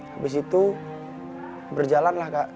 habis itu berjalan lah kak